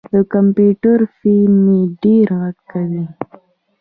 د کمپیوټر فین مې ډېر غږ کوي.